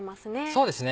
そうですね。